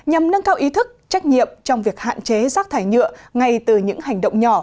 nhằm nâng cao ý thức trách nhiệm trong việc hạn chế rác thải nhựa ngay từ những hành động nhỏ